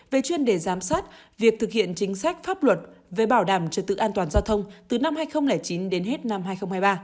về chuyên đề giám sát việc thực hiện chính sách pháp luật về bảo đảm trật tự an toàn giao thông từ năm hai nghìn chín đến hết năm hai nghìn hai mươi ba